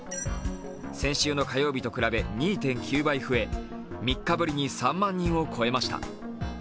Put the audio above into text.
先週の火曜日と比べ２．９倍増え、３日ぶりに３万人を超えました。